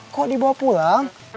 kok dibawa pulang